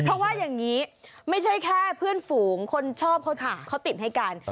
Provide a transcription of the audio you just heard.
เพราะว่าอย่างนี้ไม่ใช่แค่เพื่อนฝูงคนชอบเขาติดให้กัน